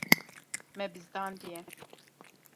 Me bizdandiye.